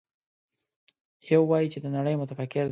يو وايي چې د نړۍ متفکر دی.